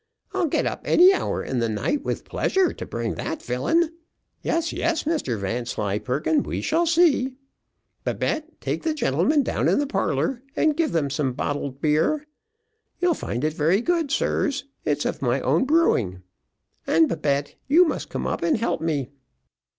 I'll get up any hour in the night, with pleasure, to bring that villain . Yes, yes, Mr Vanslyperken, we shall see. Babette, take the gentleman down in the parlour, and give them some bottled beer. You'll find it very good, sirs; it's of my own brewing. And Babette, you must come up and help me."